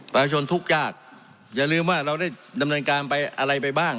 ประชาชนทุกข์ยากอย่าลืมว่าเราได้ดำเนินการไปอะไรไปบ้าง